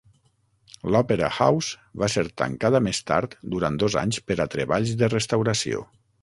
L'Òpera House va ser tancada més tard durant dos anys per a treballs de restauració.